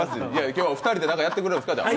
今日は２人で何かやってくれるんですか？